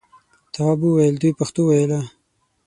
تواب وویل دوی پښتو ویله.